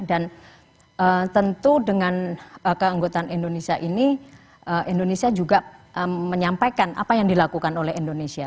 dan tentu dengan keanggotaan indonesia ini indonesia juga menyampaikan apa yang dilakukan oleh indonesia